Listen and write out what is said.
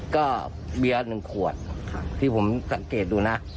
ก็เบียร์๑ขวดที่ผมสังเกตดูนะ